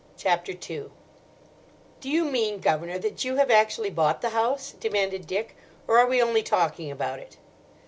CHAPTER II "DO you mean, Governor, that you have actually bought the house?" demanded Dick, "or are we only talking about it?"